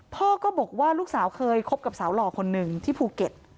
พ่อก็บอกว่าลูกสาวเคยคบกับสาวหล่อคนหนึ่งที่ภูเก็ต